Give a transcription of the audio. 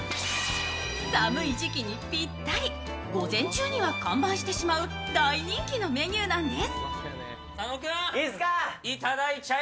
寒い時期にぴったり午前中には完売してしまう大人気のメニューなんです。